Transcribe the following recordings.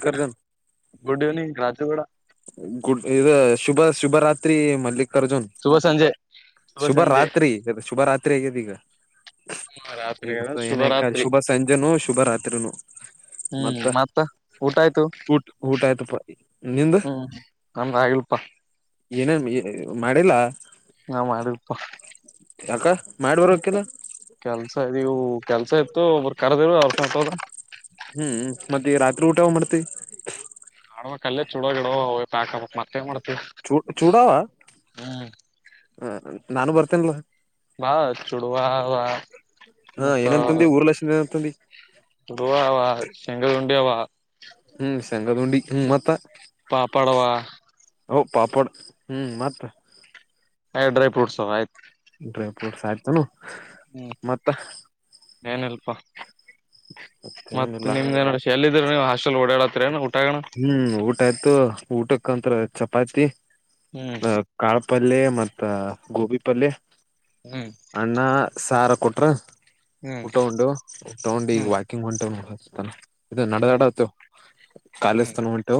Good, good evening, Raju Gowda! [inaudible] Good, ಇ, ಶುಭ ಶುಭ ರಾತ್ರಿ ಮಲ್ಲಿಕ್? [inaudible] ಅರ್ಜುನ್, ಶುಭ ಸಂಜೆ ಶುಭ, ರಾತ್ರಿ, ಶುಭ, ರಾತ್ರಿ, ಆಗಿದೆ, ಇವಾಗ? [unintelligible] ರಾತ್ರಿ ಈಗ ಏನೋಪ, ಶುಭರಾತ್ರಿ ಶುಭ ಸಂಜೆನೂ ಶುಭ ರಾತ್ರಿನೋ? [unintelligible] ಹ್ಮ್ ಮತ್ತ ಊಟ ಆಯ್ತು ಊಟ ಊಟ ಆಯ್ತಪ್ಪ ನಿಂದ ಹ್ಮ್, ನಂದು ಆಗಿಲ್ಲಪ್ಪ? [inaudible] ಏನೇನ್ ಮಾಡಿಲ್ಲ? [inaudible] ನಾವು, ಮಾಡಿದ್ದೀವಿಪಾ? [inaudible] ಯಾಕ, ಮಾಡಿದವರಿಗೆ ಗೊತ್ತಿಲ್ಲ? [inaudible] ಕೆಲ್ಸ, ಇದೀವು ಕೆಲ್ಸ! ಇರ್ತದೆ, ಒಬ್ಬರು, ಕರೆದರೆ, ಹೊಂಟಾಗ್ಬಿಟ್ರಿ? [unintelligible] ಮತ್ತೆ, ರಾತ್ರಿ ಊಟನು, ಮಾಡ್ತಿ? [unintelligible] ಆಡ್ಮಕ್, ಅಲೇ, ಚುಡೋ! ವೈಟ್ ಹಕೋಬೇಕು ಮತ್ತೆ, ಏನ್ ಮಾಡದು? [inaudible] ಚೂ, ಚೂಡಾವ! ಹ, ನಾನು, ಬರ್ತೀನಿ! ಬಾ ಚುಡುವ ಅವ [unintelligible] ಹಾ, ಏನುಅನುತ್ತ, ಅಂದಿ, ಊರು, ಲಕ್ಷ್ಮಿ, ಅನುತಾಂಧಿ? [unintelligible] ಗೋವಾ, ಆವಾ! ಸೆಂಗಲ್, ಉಂಡಿ, ಆವಾ? [inaudible] ಹ್ಮ್, ಸೆಂಗಲ್, ಉಂಡಿ, ಮತ್ತೆ? [inaudible] ಪಾಪಾಡವಾ? [inaudible] ಹೂ, ಪಾಪಡ್ ಹ್ಮ್ ಮತ್ತೆ? [inaudible] ಏ, ಡ್ರೈಫ್ರೂಟ್ಸ್, ಅಲ್ವಾ, ಅಯ್ತು? [inaudible] ಡ್ರಿಫ್ಯೂಟ್ಸ್, ಅಕುತಾನ, ಅವ? [inaudible] ಹ್ಮ, ಏನು ಇಲ್ಲಪ್ಪ? [inaudible] ಮತ್ತತ್, ಮತ್ತೇನಿಲ್ಲ ನಿಮ್ದೇನು, ಎಲ್ಲಿದ್ರೆ! ನೀವು ಹಾಸ್ಟೆಲ್, ಓಡಾಡ್ತೀರ! ಏನು? [inaudible] ಹ್ಮ್ ಊಟ ಆಯ್ತು! ಊಟಕ್ಕೆ, ಕಂಡ್ರೆ, ಚಪಾತಿ, ಹ್ಮ್ ಹಾಕಾಧು! [inaudible] ಪಲ್ಯ, ಮತ್ತ ಗೋಬಿ ಪಲ್ಯ, ಹ್ಮ್ ಅನ್ನ ಸಾರು, ಕೊಟ್ರ? [inaudible] ಹ್ಮ್ ಊಟ ಉಂಡು, ಊಟ ಉಂಡು ಈಗ ಹ್ಮ್ ವಾಕಿಂಗ್, ಹೊಂಟತಾನ? [inaudible] ಇದು ಹ್ಮ್ ನಡೆದಾಡತು! ಕಾಲೇಜ್ ಹ್ಮ್ ತನ ವಾಂಟು?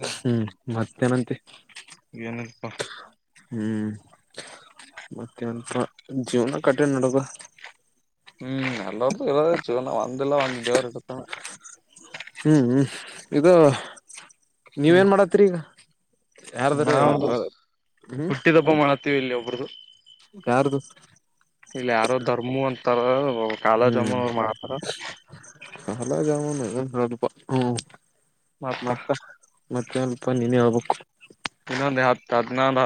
ಹ್ಮ್ [inaudible] ಮತ್ತೆ ಏನಂತೆ? [inaudible] ಏನಿಲ್ಲಪ್ಪಾ ಹ್ಮ್, ಎಂತಾ, ಇವನ ಕಟ್ಟಿನ ನಾಡಿದ್ದಾಧೆ? [inaudible] ಹ್ಮ್ ಎಲ್ಲೋರ್ದ ಎಲ್ಲಣ ವಂದಲ್ಲ ಒಂದ ದವರುತ ಹ್ಮ್ ಹ್ಮ್ ಇದು ನೀವ ನ್ ಮಾಡತ್ತರಿ ಈಗ ಯಾರ್ದ್ರ ನಾವು ಬ ಹ್ಮ್ ಹುಟ್ಟಿದಬ್ಬ ಮಾಡ ಇಲ್ಲಿ ಒಬ್ರದು ಯಾರ್ದು ಇಲ್ಲಿ ಯಾರೋ ಧರ್ಮ ಅಂತಾರ ಇ ಕಾಲೋ ಜಮ್ಮುನು ಮಪರ ಹಲ ಜಾಮಪ ಹ್ಮ ಮತ್ತ ಮತ್ತೆ ಅವಲ್ಪ ನೀನ್ನೇ ಆಗ್ಬೇಕು ಇನ್ನೊಂದು ಹತ್ ಹದನಂದ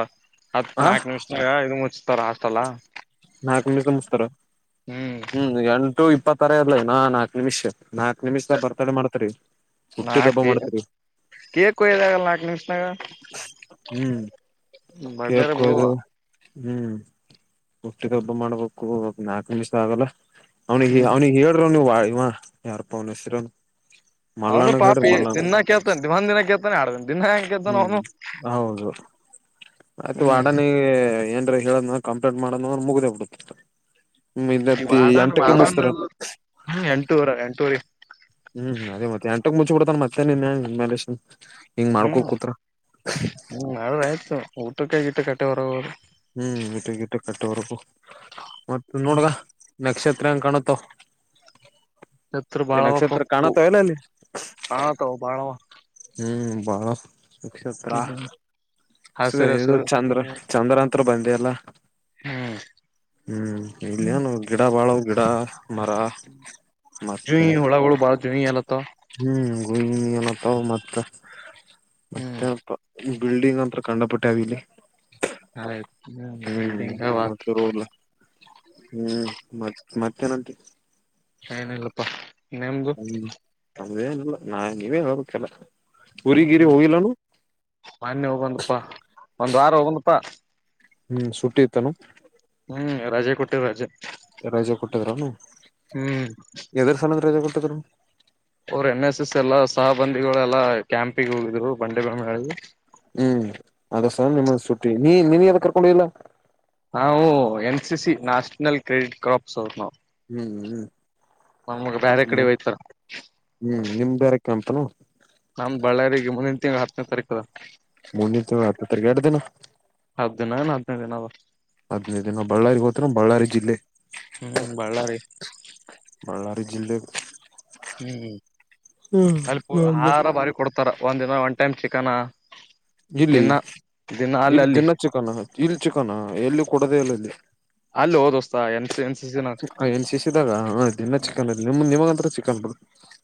ಹತ್ ನಾಲ್ಕು ನಿಮಿಷ ಇ ಮುಚ್ ನಾಲ್ಕ ಮ ಕಮಸ್ತಾರ ಹ್ಮ್ ಎಂಟು ಇಪ್ಪತ್ತರ ಅದಲೈ ನಾ ನಾಲ್ಕು ನಿಮಿಷ ನಾಕ್ ನಿಮಿಷದ ಬರ್ತಾಡೆ ಮಾಡ್ತರಿ ಹುಟ್ಟಿ ದಬ್ಬ ಮಾಡ್ತರಿ ಕೇಕಯದಾಗಲ್ಲ ನಾಕ ನಿಷನಾಗ ಹ್ಮ್ ಬಡ್ಡರ ಕೇಕ್ ಬಿಡುವ ಕೊಯ್ದು ಹ್ಮ್ ಉಟ್ಟ್ ಹೊಬ್ಬ ಮಾಡ್ಬೇಕು ಒ ನಾಲ್ಕು ನಿಮಿಷ ಆಗಲ್ಲ ಅವ್ನಿಗೆ ಹ್ಮ್ ಅವ್ನಿಗೆ ಹೇಳ್ರರು ನೀವ ಯಾರಪ್ಪನ ಹೆಸರನು ಅವನು ಪಾಪಿ ದಿನಾ ಕೇಳ್ತಾನ ದಿವಾ ದಿನ ಕೇಳ್ತಾನೆ ಆಡ್ದನ್ ದಿನಾ ಹೆಂಗಗೆೇತಾನ ಅವನು ಹ್ಮ್ ಹೌದು ಆಯ್ತು ವಾಡನ ಹ್ಮ್ ಏನ್ರ ಹೇಳದ ಕಂಪ್ಲೇಂಟ್ ಮಾಡ ಮುಗ್ದೇ ಬಿಡುತ್ತ ಹ್ಮ ಇನ್ನತ್ತ ಎಂಟಕ್ಕೆ ಮುಸ್ತಾರ ಎಂಟೂವರೆ ಎಂಟೂವರೆ ಹ್ಮ್ ಅದೇ ಮತ್ತೆ ಎಂಟಕ್ ಮುಚ್ಚಿ ಬಿಡ್ತನ್ ಮತ್ತೆ ನಿನ್ ಮೇ ಹ್ಮ್ ಹ್ಮ್ ನಾಳದಯ್ತು ಊಟಕ್ಕಾಯಗಿಟ್ಟು ಕಟ್ಟೆ ಹೊರ ಹೋದು ಹ್ಮ್ ಗಟ್ಟ ಗಿಟ್ಟ ಕಟ್ಟವರೆಕು ಮತ್ತ ನೋಡದ ನಕ್ಷತ್ರ ಎತ್ರ ಕಾಣುತ್ತೋ ಎತ್ರ ಎ ಬಾಳವ ನಕ್ಷತ್ರ ಪಕ್ಕು ಕಾಣತ ಎಲ್ಲ ಅಲ್ಲಿ ಕಾಣತಾವ ಬಾಳವ ಹ್ಮ್ ಬಾ ನಕ್ಷತ್ರ ಸ ಹಸಿರು ಇ ಹಸಿರು ಚಂದ್ರ ಚಂದ್ರ ಅಂತ ಹತ್ರ ಬಂದ ಅಲ್ಲ ಹ್ಮ್ ಹ್ಮ್ ಇಲ್ಲ ಏನು ಗಿಡ ಬಾಳ ಗಿಡ ಮರ ಮತ್ತ ಜುಯಿ ಹುಳಗಳು ಬಾಳ ಜುಯಿ ಅಲತ್ತವ ಹ್ಮ್ ಏನಪ್ಪ ಮತ್ತ ಮತ್ತೆನಪ್ಪ ಬಿಲ್ಡಿಂಗ್ ಅಂತ ಕಖಂಡಪುಟ್ಟಾವಲ್ಲಿ ಆಯ್ತು ಹ್ಮ್ ಬಿಲ್ಡಿಂಗ್ ಹ ಆತ್ ಶುರುಲ್ಲ ಹ್ಮ್ ಮತ್ ಮತ್ತೇನಂತೆ ನಲ್ಲಪ್ಪ ಹ್ಮ್ ನಮ್ದೇನಲ್ಲ ನಾ ನೀವೇ ಹೋಗಕ್ಕೆಲ್ಲ ಮಾನ್ಯ ಹೋಗಂದಪ್ಪಾ ಒಂದ್ ವಾರ ಹೋಗಂದಪ್ಪಾ ಹ್ಮ್ ಸುಟ್ಟಿತಾನ ಹ್ಮ್ ರಜೆ ಕೊಟ್ಟ ರಾಜಜೆ ರಜೆ ಕೊಟ್ಟಿದ್ರನು ಹ್ಮ್ ಎದರ್ ಸಲದ ರಜೆ ಕೊಟ್ಟಿದ್ರ ಅವರು ಎನ್ ಎಸ್ ಎಸ್ ಎಲ್ಲಾ ಸಹಬಂದಿಗಳೆಲ್ಲಾ ಕ್ಯಾಂಪಿಗೆ ಹೋಗಿದ್ರು ಬಂಡೆ ಬ ಹ್ಮ್ ಅದಸ ನಿಮ್ಮ ಸುಟ್ಟಿ ನೀ ನೀನ್ ಯದ ಕರ್ಕೊಂಡ ಹೋಗಿಲ್ಲ ನಾವು N C C national credit crops ಅವರು ನಾವು ಹ್ಮ್ ಹ್ಮ್ ನಮ್ಗ್ ಬೇರೆ ಕಡೆ ಹ್ಮ ಹೋಯ್ತಾರ ಹ್ಮ್ ನಿಮ ಬೇರೆ ಕಂತನು ನಮ್ ಬಳ್ಳಾರಿಗೆ ಮುಂದಿನ ತಿಂಗಳು ಹತ್ತನೇ ತಾರೀಕದ ಮುಂದಿನ ತಿಂಗಳು ಹತ್ತ ತಾರೀಕು ಎರಡು ದಿನ ಹಬ್ ದಿನ ಹಬ್ನ ದಿನದ ಹದ್ದು ನ ಬಳ್ಳಾರಿಗೆ ಹೋತ್ರ ಬಳ್ಳಾರಿ ಜಿಲ್ಲೆ ಹ್ಮ್ ಬಳ್ಳಾರಿ ಜಿಂದೆ ಹ್ಮ್ ಅಲ್ಲಿ ಆಹಾರ ಬಾರಿ ಕೊಡ್ತ ರ ಒಂದ ದಿನ ಒನ್ ಟೈಮ್ ಚಿಕನ್ ಇಲ್ಲಿ ಇಲ್ ದಿನ ಚಿಕನ ಇಲ್ಲಿ ಚಿಕನ ಎಲ್ಲಿ ಕೊಡದೆೇ ಇಲ್ಲ ಇಲ್ಲಿ ಅಲ್ಲಿ ಹೋದೋಸ್ತ N C N C C ನಾಗ ಎನ್ ಸಿಸ ಇದಿದಾಗ ಹಲ್ಲ ಚಿಕ್ಕನ್ ನಿಮ ನಿವಾಗತ್ರ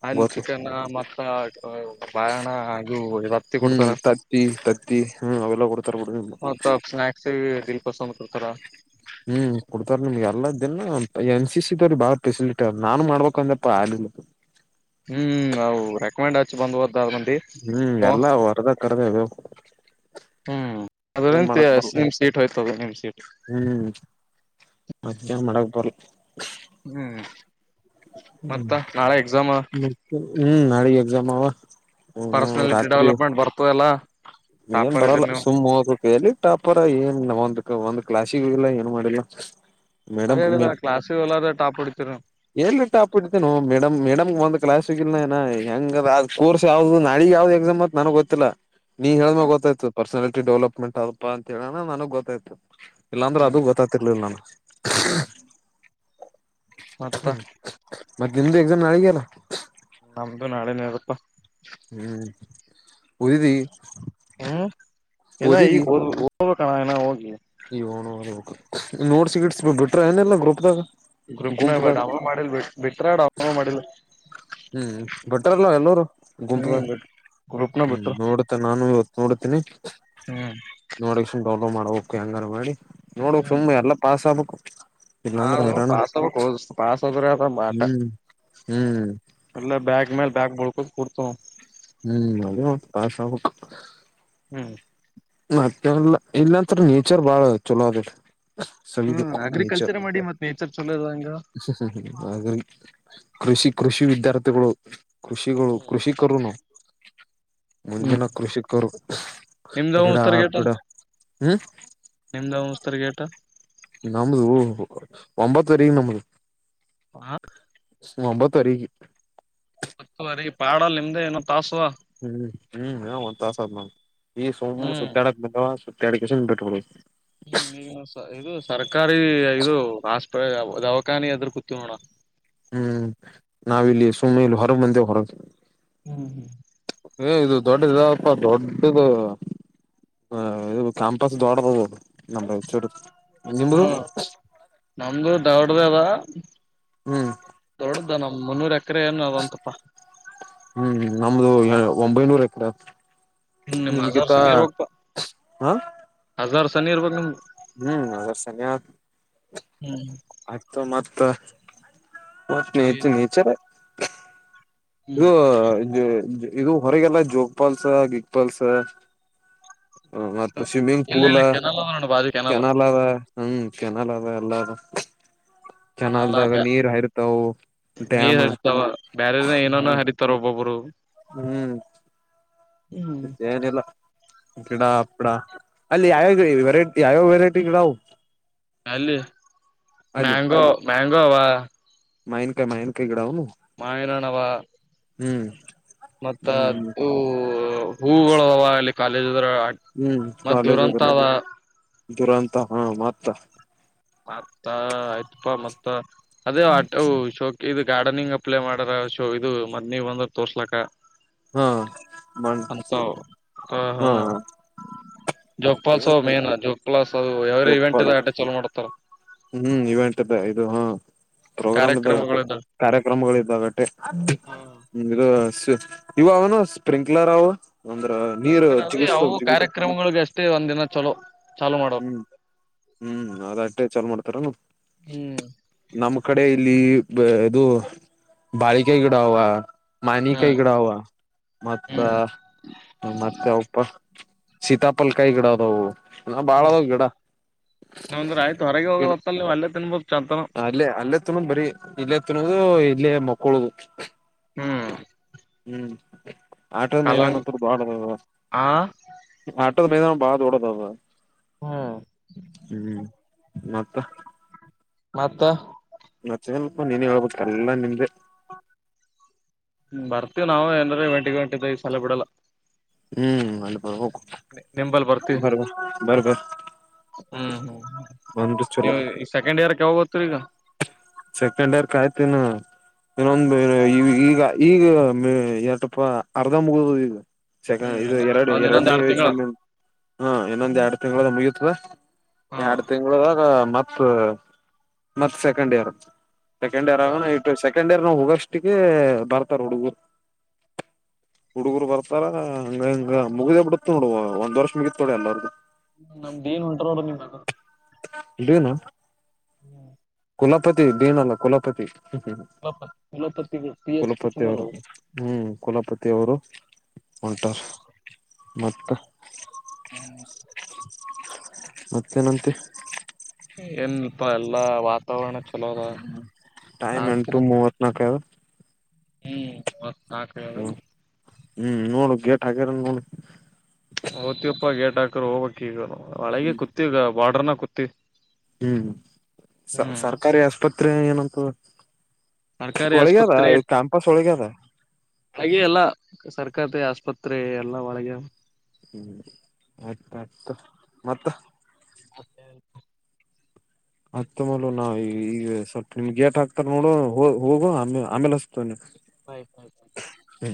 ಅಲ್ಲಿ ಚಿಕನ್ ಮತ್ತ ಬಯಾಣ ಅ ಇ ಹತ್ತಿ ಹ್ಮ್ ಕೊಡ್ತಾರ ತತ್ತಿ ತತ್ತಿ ಹ್ಮ್ ಅವೆಲ್ಲ ಕೊಡ್ತಾರ ಬಿಡ ಬಲ್ಸ ಹ್ಮ್ ಕೊಡ್ತಾರ ನಿಮ್ಗೆ ಎಲ್ಲ ಇದ ಎನ್ ಸಿ ಸಿದವ್ರರು ಬಾಳ ಫೆಸಿಲಿಟಿ ನಾನು ಮಾಡ್ಬೇಕ ಅಂದಪ್ಪ ಆ ಹ್ಮ್ವು ರೆಕಮೆಂಡ್ ಹಚ್ಚಿ ಬಂದ್ವ ಮಿ ಹ್ಮ್ ಹ ಎಲ್ಲಾ ಹೊರದ ಕರ್ದ ಹ್ಮ್ ಏನ್ ಅದ್ರಂತ ಮಾಡಕ್ ಬರ್ ಸಿಮ ಸೀಟ್ ಹೋಯ್ತದೆ ಎಮ ಸೀಟ್ ಮತ್ತನ್ ಮಾಡಕ್ ಬರ್ಲ್ಲ ಹ್ಮ್ ಹ್ಮ ಮತ್ತ ನಾಳೆ ಎಕ್ಸಾಮ್ ಮತ್ತೆ ಹ್ಮ್ ನಳೆಯ ಜಮಾವ ಪರ್ಸನಾಲಿಟಿ ರಾತ್ರಿ ಡೆವಲಪ್ಮೆಂಟ್ ಬರ್ತದಲ್ಲಾ ಏನ್ ಟಾಪರ್ ಇದ್ರಿ ಬರಲ್ಲ ನೀವು ಸುಮ್ಮ್ ಹೋದ ಕ ಹೇಳಿ ಇಟ್ಟ ಅಪರ ಏನ್ ಒಂದ್ ಒಂದ ಕ್ಲಾಶಿಗೋಗಿಲ್ಲ ಏನು ಮಾಡಿಲ್ಲ ಅದೇ ಮೇಡಮ್ ಅದಲ್ಲಾ ಕ್ಲಾಸ್ ಒಲ್ಲಾದ ಟಾಪ್ ಓಡಿತೀರ ಎಲ್ಲಿ ಟಾಪ್ ಒಡ್ತೆನೋ ಮೇಡಮ್ ಮೇಡಮ್ಗೆ ಒಂದ ಕ್ಲಾಸ್ಗಿಲ್ಲ ಹೆಂಗ ಅ ಕೋರ್ಸ್ ಯಾವ್ದ ನಾಲ್ಗಿ ಯಾವ್ದ ಎಕ್ಸಮ್ ನನಗೆ ಗೊತ್ತಿಲ್ಲ ನೀ ಹೇಳಿದ್ಮಾಗ ಗೊತ್ತಾಯ್ತತ್ ಪರ್ಸನಾಲಿಟಿ ಡೆವಲಪ್ಮೆಂಟ್ ಅದಪ್ಪಾ ಅಂತ ಹೇಳಣ ನನಗ್ ಗೊತ್ತಾಯ ಇಲ್ಲಾಂದ್ರೆ ಅದು ಗೊತ್ತಾತಿರ್ಲಿಲ್ಲ ನಾನಗ ಮತ್ತ ಹ ಮತ್ತ ನಿಮ್ದು ಎಗ್ಜಾಮ್ ನಾಳಗ್ಯಾನ ನಮ್ದು ನಾಳೆನರಪ್ಪಾ ಹ್ಮ್ ಉದಿ ಲ್ಲ ಈಗ ಹೋಗಬೇಕ ಹೋಗ್ಬೇಕಣ ಏನ ಹೋಗಿ ಇ ನೋಡ್ಸಿ ಇಡ್ ಬಿಟ್ರ ಏನಲ್ಲಾ ಗ್ರೂಪ್ದಾಗ ಗ್ರೂಪ್ ನ ಬಡ ಗುಂಪದಾಗ ಡೌನ್ಲೋಡ್ ಮಾಡೀಲ್ಲ ಬಿಟ್ರಡಾವ ಡೌನ್ಲೋಡ್ ಮಾಡಿಲ್ಲ ಹ್ಮ್ ಬಿಟ್ಟಾರಲ್ಲ ಎಲ್ಲರು ಹ್ಮ್ ಗುಂಪದಾಗ ಗ್ರೂಪ್ನ ಹ್ಮ್ ಬಿಟ್ರ ನೋಡುತ್ತೆ ನಾನು ಇವತ್ತು ನೋಡತೀನಿ ಹ್ಮ್ ನೋಡ ಡೌಲೋಡ್ ಮಾಡಬೇಕು ಹೆಂಗರ ಮಾಡಿ ನೋಡಕ್ ಸುಮ್ಮ್ ಎಲ್ಲ ಪಾಸ್ ಆಗ್ಬೇಕು ಹಾ ಇಲ್ಲಾಂದ್ರೆ ಪ ಹೈರಾಣ ಪಾಸ ಅಗ್ಬಾಕೊ ದೋಸ್ತ ಪಾಸ್ ಅಧ್ರನಾ ನಮ್ ಆಟ ಹ್ಮ್ ಹ್ಮ್ ಎಲ್ಲ ಬ್ಯಾಗ್ ಮೇಲೆ ಬ್ಯಾಗ್ ಬಳ್ಕೋದ ಕುೂರ್ತ ಹ್ಮ್ ಅದೇ ಒ ಆಷ ಆಗು ಹ್ಮ್ ಮತ್ತಲ್ಲ ಇಲ್ಲಾಂತರ ನೇಚರ್ ಬಾಳ ಚಲೋ ಅದ ಹ್ಮ್ ಸವಿಬೇಕು ನೇಚರ್ ಅಗ್ರಿಕಲ್ಚರ್ ಮಾಡಿ ಮತ್ತ್ ನೇಚರ್ ಚಲೋ ಅದ ಹಂಗ ಹಾಗ ಕೃಷಿ ಕೃಷಿ ವಿದ್ಯಾರ್ಥಿಗಳು ಕೃಷಿಗಳು ಕೃಷಿಕರುನು ಹ್ಮ್ ಮುಂದಿನ ಕೃಷಿಕರು ನಿಮ್ದ ಗಿಡ ಮುಸ್ತಾರ ಗೇಟ ಗಿಡ ಹ್ಮ್ ನಿಮ್ದ ಮುಸ್ತಾರ ಗೇಟ ನಮ್ದ ಒಂಬತ್ತುವರೆಗ ನಮ್ದ ಹಾ ಒಂಬತ್ತುವರಿಗೆ ಅ ಈ ಪಾಡಲ್ ನಿಮ್ದೆ ಏನೋ ತಾಸ್ ಅದಾ ಹ್ಮ್ ಹ್ಮ್ ಹ ಒಂದ್ಥಸ ಆದ್ ನಾವ್ ಈ ಸೋಮ್ ಹ್ಮ್ ಸುತ್ತಾಡಕ್ ಮವ ಸ ತಡಿಕಸಂದು ಭಟವ ಹ್ಮ ಇದು ಸರ್ಕಾರಿ ಇದು ನಾಷ್ಟ ದವಾಖಾನಿ ಎದುರ ಕುತ್ತನಿ ನೋಡಣ ಹ್ಮ್ ನಾವಿಲ್ಲಿ ಸುಮ್ನೆ ಇಲ್ಲಿ ಹೊರ ಮಂದಿ ಹೊರತವಿ ಹ್ಮ್ ಹ್ಮ್ ಏ ಇದು ದೊಡ್ಡ ಇದಾವಪ್ಪಾ ದೊಡ್ಡದು ಹ ಇ ಕ್ಯಾಂಪಸ್ ದೊಡದು ಅದಾ ನಮ್ಮ ಹಚ್ ಓ ಡಿ ದಾ ಅಲ್ಲಿಂದೂ ಹ್ಮ [unintelligible] [unintelligible] ಹ್ಮ್ ನಡುದ ನಮ ಮುನ್ನೂರ ಎಕರೆ ಏನೋ ಅವನ್ ತಪ್ಪ ಹ್ಮ್ ನಮ್ದು ಒಂಬೈನೂರ ಎಕರೆ ಹ್ಮ್ ನಿಮ್ ನಿಮ್ಗೆ ಹಜಾರ್ ತಾ ಸನಿ ಇರ್ಬೇಕಪ್ಪಾ ಹಾ ತನ್ನಿ ಇರ್ಬೇಕ ನಿಮ್ ಹ್ಮ್ ಅರ್ ಸನಯ ಆಯ್ತು ಮತ್ತ ಓಕೆ ಇದು ಹ್ಮ್ ನೇಚರ್ ಹ್ಮ್ ರಾ [unintelligible] ಇದು ಹೊರಗೆಲ್ಲ ಜೋಗಪಾಲ್ಸ ಗಿಕ್ ಪಾಲ್ಸ ಹ ಮತ್ತ ಸ್ವಿಮ್ಮಿಂಗ್ ಇಲ್ಲ ಪೂಲ ಇಲ್ಲ ಕೆನಲ್ ಅದ ನೋಡ ಬಾಜು ಕೆನಲ್ ಕೆನ್ನೆಲಗ ಹ್ಮ್ ಕೆನಾಲ ಅದ ಎಲ್ಲ ಅದಾ ಕೆನಲ್ ಕೆನ್ನಾಲದಾಗ ನೀರ್ ಹರಿತವವು ಡ್ಯಾಮ ಏನೆನೋ ಹರಿತಾರ ಒಬ್ಬೊಬ್ಬರು ಹ್ಮ್ ಏನಿಲ್ಲ ಗಿಡ ಹಪ್ಪಡ ಅಲ್ಲಿ ಯಾವ್ಯಾವ ವೆರೈಟಿ ಯಾವ್ಯಾವ ವೆರೈಟಿ ಗಿಡ ಅವು ಅಲ್ಲಿ ಮ್ಯಾಂಗೋ ಮ್ಯಾಂಗೋ ಅವಾ ಮಾವಿನಕಾಯಿ ಮಾವಿನಕಾಯಿ ಗಿಡಾವನು ಮಾವಿನಣ್ಣಾವ ಹ್ಮ್ ಮತ್ತ ಹ್ಮ್ ಹೂ ಹೂಗಳು ಅವಲ್ಲಿ ಹ್ಮ್ ಕಾಲೇಜ್ [unintelligible] ಅದ ದುರಂತ ಹಾ ಮತ್ತ ಮತ್ತ ಆಯ್ತಪಾ ಮತ್ತ ಅದೇ ಆಟೋ ಶೋಕ್ ಇದು ಗಾರ್ಡನಿಂಗ್ ಅಪ್ಲೈ ಮಾಡಾರ ಶೋ ಇದು ಮತ್ತೆ ನೀವು ಬಂದ್ರೆ ತೋರ್ಸಲಕ್ಕ ಹಾ [unintelligible] ಹ ಹಾ ಜೋಗ ಫಾಲ್ಸ್ ಅವ ಮೇನ್ ಜೋಗ ಫಾಲ್ಸ್ ಅದು ಎವರಿ ಜೋಪಾಲ್ ಈವೆಂಟಿನ ಆಟ ಚಲೋ ಮಾಡ್ತಾರ ಹ್ಮ್ ಇವೆಂಟದ ಇದು ಹಾ ಪ್ರೋಗ್ರಾಮ್ ಇದ್ದಾಗಟೆ ಕಾರ್ಯಕ್ರಮಗಳಿದ ಕಾರ್ಯಕ್ರಮಗಳ ಇದ್ದಾಗಟೆ ಇದು ಇವ ಅವನು ಸ್ಪ್ರಿಂಕ್ಲರ್ ಅವ ಅಂದ್ರ ನೀರ್ ಅದು ಜಿಗಸ್ತದ ಯಾವ ಜಿಗ್ ಕಾರ್ಯಕ್ರಮಗಳಿಗೆ ಅಷ್ಟೇ ಒಂದಿನ ಚಲೋ ಚಾಲೂ ಮಾಡೋರು ಹ್ಮ್ ಹ್ಮ್ ಆದ ಅಟ್ಟೆ ಚಲ ಮಾಡ್ತಾರ ಹ್ಮ್ ನಮ್ ಕಡೆ ಇಲ್ಲಿ ಇದು ಬಾಳಿಕೆ ಗಿಡವ ಮಾವಿನಕಾಯಿ ಹ್ಮ್ ಗಿಡ ಅವ ಮತ್ತ ಹ್ಮ್ ಮತ್ತೆ ಅವಪ್ಪ ಸೀತಾಪಲ್ಕಾಯಿ ಗಿಡ ಅದವು ಇನ್ನ ಬಾಳ ಅದಾವ ಗಿಡ ನಂದ್ರ ಆಯ್ತು ಹೊರಗೆ ಹೋಗೊ ಗಿಡ ಹೊತ್ತಲ್ಲಿ ಅಲ್ಲೇ ತಿನ್ಬೇಕು ಚಂತನ ಅಲ್ಲೇ ಅಲ್ಲೇ ತಿನ್ನೋದ್ ಬರೀ ಇಲ್ಲೇ ತಿನ್ನೋದು ಇಲ್ಲೇ ಮಕ್ಕಳುದು ಹ್ಮ್ ಹ್ಮ್ ಆಟೋದ ಮೈದಾನ ಕಲಂಗ್ ಅಂತ ಬಾಳದ ಆ ಆಟೋ ಮೈದಾನ ಬಾಳ್ ದೊಡ್ಡದದು ಹ್ಮ್ ಹ್ಮ್ ಮತ್ತ ಮತ್ತೆ ಮತ್ತೇನಪ್ಪ ನೀನೆ ಹೇಳ್ಬೇಕ ಎಲ್ಲಾ ನಿಂದೆ ಬರ್ತಿವಿ ನಾವು ಏನಾರೆ ಇವೆಂಟ್ ಗಿವೆಂಟ್ ಈ ಸಲ ಬಿಡಲ್ಲ ಹ್ಮ್ ಅಲ್ಲಿ ಬರಬೇಕು ನಿಂಬಲ್ಲಿ ಬರ್ತೀವಿ ಬರ್ಬೇಕು ಬರ್ಬೇಕು ಹ್ಮ್ ಹ್ಮ್ ಸೆಕೆಂಡ್ ಇಯರ್ ಕ ಯಾವಾಗ ಹೋಗ್ತೀರಾ ಈಗ ಸೆಕೆಂಡ್ ಇಯರ್ ಕಾಯ್ತನು ಇನ್ನೊಂದ ಈ ಈಗ ಈಗ ಮ ಎಟಪ್ಪ ಅರ್ಧ ಮುಗ್ಡೋಗಿದೆ ಚಕ ಹ್ಮ್ ಇದು ಇಲ್ಲ ಎರಡು ಒಂದ್ ಇನ್ನೊಂದ್ ಎರಡನೇ ಎರಡ್ ತಿಂಗಳ ಎಕ್ಸಾಮ್ ಹಾ ಇನ್ನೊಂದ ಎರಡು ತಿಂಗಳಗ ಮುಗಿತದಾ ಹ್ಮ್ ಎರಡ್ ತಿಂಗಳಾಗ ಮತ್ ಮತ್ ಸೆಕೆಂಡ್ ಇಯರ್ ಸೆಕೆಂಡ್ ಇಯರ್ ಆಗಣ ಇ ಸೆಕೆಂಡ್ ಇಯರ್ ನ ಹೋಗಷ್ಟಕ್ಕೆ ಬರ್ತಾರ ಹುಡುಗರು ಹುಡುಗರು ಬರ್ತಾರ ಹಂಗ ಇಂಗ ಮುಗ್ದ ಬಿಡತ್ ನೋಡು ಒಂದ್ ವರ್ಷ ಮುಗಿತ ದ ಎಲ್ಲರ್ಗು ಹ್ಮ ನಮ್ದ ಏನ್ ಹೊಂಟ್ರ ನಡ್ರ ನಿಮ್ ಇದೇನ್ ಹ್ಮ ಕುಲಪತಿ ಡಿನಲ್ಲ ಕುಲಪತಿ ಹ್ಮ ಇಲೋಪತಿ ಪಿ ಎಚ್ ಕುಲಪತಿ ಅವರು ಕುಚಿನವರು ಹ್ಮ್ ಕುಲಪತಿ ಅವರು ಹೊಂಟಾರ ಮತ್ತ್ ಹ ಮತ್ತೇನಂತೆ ಏನ್ಲ್ಪ ಎಲ್ಲಾ ವಾತಾವರಣ ಚಲೋದ ಟೈಮ್ ಎಂಟು [unintelligible] ಮೂವತ್ ನಾಲ್ಕ ಅದ ಹ್ಮ್ ನಾಲ್ಕ ಹ್ಮ ಹ್ಮ್ ನೋಡು ಗೇಟ್ ಹಾಕ್ಯಾರ ನೋಡ್ ಹೋತ್ತಿವಪ್ಪ ಗೇಟ್ ಹಾಕರ್ ಹೋಗ್ ಬೇಕ್ ಈಗ ಒಳಗೆ ಕೂತ್ತಿವಿಗ ಬಾರ್ಡರ್ನ ಕೂತ್ತಿವಿ ಹ್ಮ್ ಸ ಸರ್ಕಾರಿ ಆಸ್ಪತ್ರೆ ಏನಂತದ ಸರ್ಕಾರಿ ಒಳಗದ ಆಸ್ಪತ್ರೆ ಇ ಕ್ಯಾಂಪಸ್ ಒಳಗದ ಸರ್ಕದ ಆಸ್ಪತ್ರೆ ಎಲ್ಲಾ ಒಳಗೆ ಹ್ಮ್ ಆಯ್ತು ಆಯ್ತು ಮತ್ತ ಹ ಸೆ ಅತ್ತ ಮೊಲ ನಾ ಈಗ ಸ್ವಲ್ಪ ನಿಮ್ ಗೇಟ್ ಹಾಕ್ತಾರ ನೋಡು ಹೋಗು ಆಮ ಆಮೇಲೆ ಹಚ್ತವ ಹ್ ಪ್್ ಹ್ಮ